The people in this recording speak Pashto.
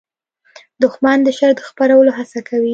دښمن د شر د خپرولو هڅه کوي